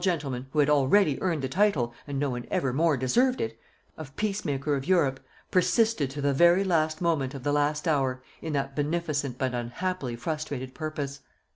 gentleman, who had already earned the title and no one ever more deserved it of Peace Maker of Europe, persisted to the very last moment of the last hour in that beneficent but unhappily frustrated purpose.